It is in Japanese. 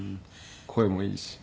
声もいいし。